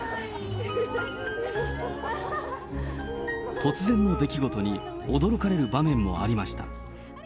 突然の出来事に驚かれる場面もありました。